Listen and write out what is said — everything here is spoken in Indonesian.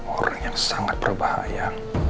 orang yang sangat berbahaya